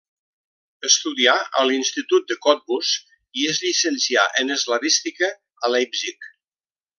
Estudià a l'Institut de Cottbus i es llicencià en eslavística a Leipzig.